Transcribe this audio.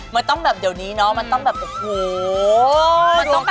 มันต้องแบบเดี๋ยวนี้มันต้องแบบโถ้